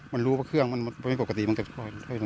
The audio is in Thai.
มันรู้ว่าเครื่องมันไม่ปกติมันจะคอย